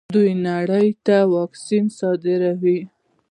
دوی نړۍ ته واکسین صادروي.